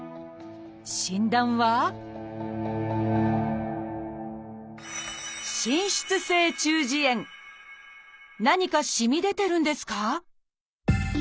診断は何かしみ出てるんですか？